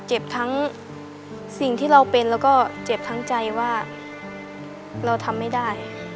เจ็บทั้งสิ่งที่เราเป็นแล้วก็เจ็บทั้งใจว่าเราทำไม่ได้